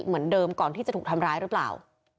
เหมือนเดิมก่อนที่จะถูกทำร้ายหรือเปล่า